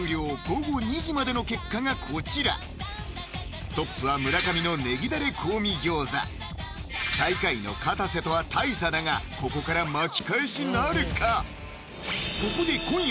午後２時までの結果がこちらトップは村上のねぎダレ香味餃子最下位のかたせとは大差だがここから巻き返しなるか？